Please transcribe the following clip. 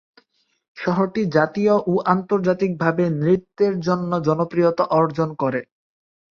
শহরটি জাতীয় ও আন্তর্জাতিকভাবে নৃত্যের জন্য জনপ্রিয়তা অর্জন করে।